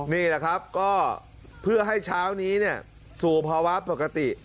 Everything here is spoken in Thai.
นี่แหละครับก็เพื่อให้เช้านี้สู่ภาวะปกติ